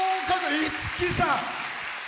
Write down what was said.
五木さん！